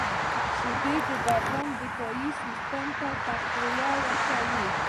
• شیدې د بدن دفاعي سیسټم ته تقویه ورکوي.